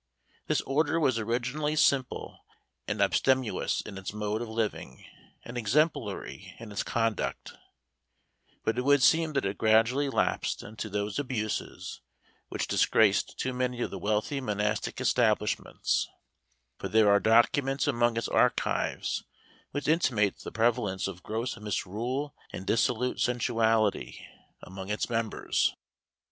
This order was originally simple and abstemious in its mode of living, and exemplary in its conduct; but it would seem that it gradually lapsed into those abuses which disgraced too many of the wealthy monastic establishments; for there are documents among its archives which intimate the prevalence of gross misrule and dissolute sensuality among its members.